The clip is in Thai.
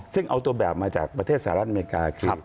ซึ่งเอาตัวแบบมาจากประเทศสหรัฐอเมริกาคือ